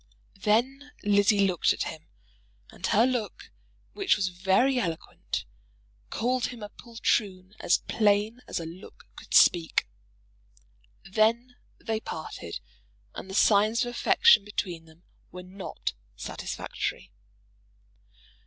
Then Lizzie looked at him, and her look, which was very eloquent, called him a poltroon as plain as a look could speak. Then they parted, and the signs of affection between them were not satisfactory.